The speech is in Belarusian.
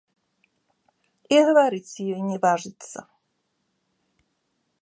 І гаварыць з ёй не важыцца.